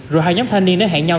rồi hai nhóm thanh niên đã hẹn nhau